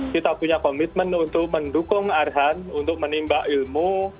kita punya komitmen untuk mendukung arhan untuk menimba ilmu